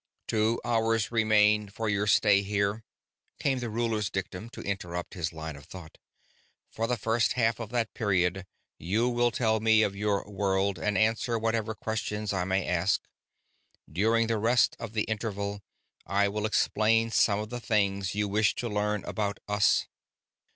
"Two hours remain for your stay here," came the ruler's dictum to interrupt his line of thought. "For the first half of that period you will tell me of your world and answer whatever questions I may ask. During the rest of the interval, I will explain some of the things you wish to learn about us."